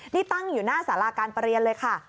นี่ตั้งอยู่หน้าสาราการประเรียนเลยค่ะ